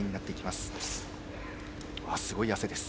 すごい汗です。